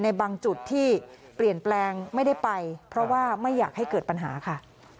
ในบางจุดที่เปลี่ยนแปลงไม่ได้ไปเพราะว่าไม่อยากให้เกิดปัญหาค่ะ